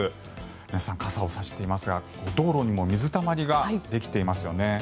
皆さん、傘を差していますが道路にも水たまりができていますよね。